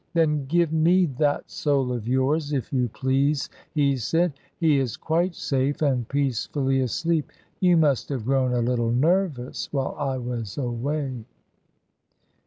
"Then give me that soul of yours, if you please," he said. "He is quite safe and peacefully asleep. You must have grown a little nervous while I was away."